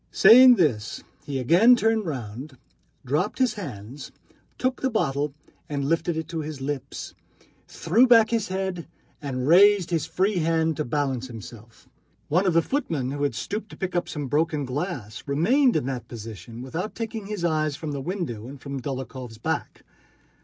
Saying this he again turned round, dropped his hands, took the bottle and lifted it to his lips, threw back his head, and raised his free hand to balance himself. One of the footmen who had stooped to pick up some broken glass remained in that position without taking his eyes from the window and from Dólokhov's back.